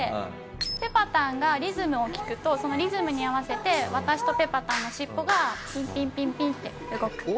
ぺぱたんがリズムを聴くとそのリズムに合わせて私とぺぱたんの尻尾がピンピンピンピンって動く。